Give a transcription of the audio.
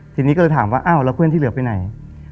ทีนี้ก็เลยถามว่าอ้าวแล้วเพื่อนที่เหลือไปไหน